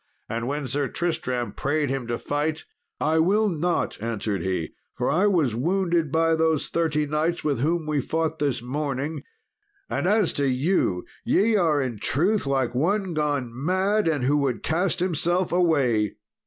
And when Sir Tristram prayed him to fight, "I will not," answered he, "for I was wounded by those thirty knights with whom we fought this morning; and as to you, ye are in truth like one gone mad, and who would cast himself away!